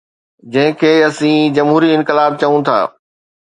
جنهن کي اسين جمهوري انقلاب چئون ٿا.